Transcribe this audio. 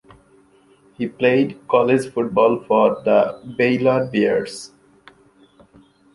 He played college football for the Baylor Bears.